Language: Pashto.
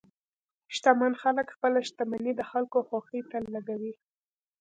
شتمن خلک خپل شتمني د خلکو خوښۍ ته لګوي.